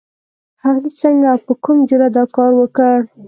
هغې څنګه او په کوم جرئت دا کار وکړ؟